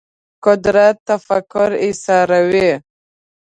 قدرت تفکر ایساروي